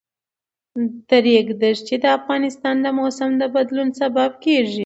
د ریګ دښتې د افغانستان د موسم د بدلون سبب کېږي.